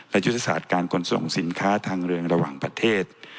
และยุทธศาสตร์การขนส่งสินค้าทางเรืองระหว่างประเทศ